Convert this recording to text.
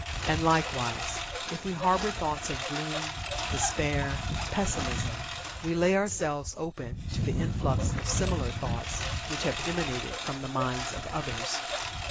And, likewise, if we harbor thoughts of Gloom, Despair, Pessimism, we lay ourselves open to the influx of similar thoughts which have emanated from the minds of others.